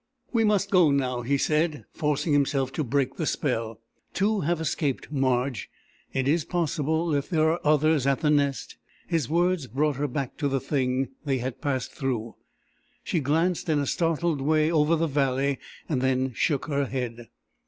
"We must go now," he said, forcing himself to break the spell. "Two have escaped, Marge. It is possible, if there are others at the Nest...." His words brought her back to the thing they had passed through. She glanced in a startled way over the valley, then shook her head.